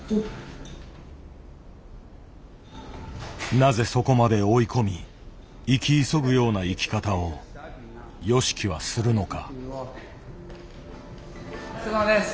なぜそこまで追い込み生き急ぐような生き方をＹＯＳＨＩＫＩはするのか。